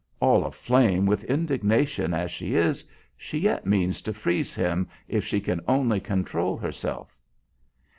All aflame with indignation as she is, she yet means to freeze him if she can only control herself.